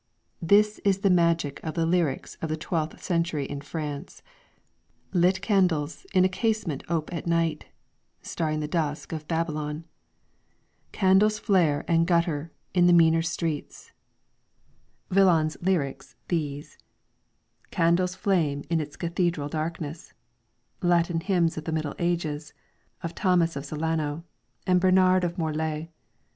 This is the magic of the lyrics of the twelfth century in France, lit candles in ' a case vii LYRICS FROM THE CHINESE ment ope at night,' starring the dusk in Babylon ; candles flare and gutter in the meaner streets, Villon's lyrics, these ; candles flame in its cathedral darkness, Latin hymns of the Middle Ages, of Thomas of Celano and Bernard of Morlaix.